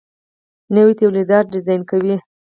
نوي تولیدات ډیزاین کوي.